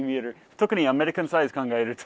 特にアメリカンサイズ考えると。